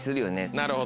なるほど。